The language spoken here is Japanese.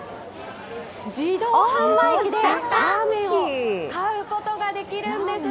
自動販売機でラーメンを買うことができるんです。